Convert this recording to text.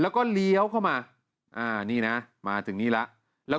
แล้วก็เลี้ยวเข้ามาอ่านี่นะมาถึงนี่แล้วแล้ว